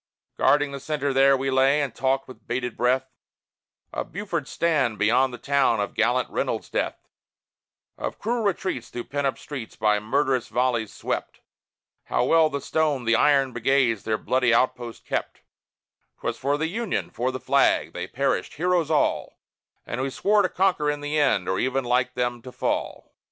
Guarding the centre there, we lay, and talked with bated breath Of Buford's stand beyond the town, of gallant Reynold's death, Of cruel retreats through pent up streets by murderous volleys swept, How well the Stone, the Iron, Brigades their bloody outposts kept: 'Twas for the Union, for the Flag, they perished, heroes all, And we swore to conquer in the end, or even like them to fall.